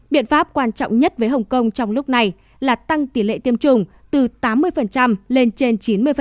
biện pháp quan trọng nhất với hồng kông trong lúc này là tăng tỷ lệ tiêm chủng từ tám mươi lên trên chín mươi